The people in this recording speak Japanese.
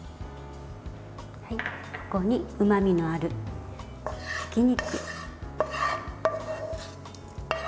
ここに、うまみのあるひき肉。